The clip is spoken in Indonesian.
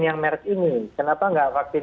yang merk ini kenapa nggak vaksin